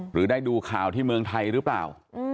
หรือได้ดูข่าวที่เมืองไทยหรือเปล่า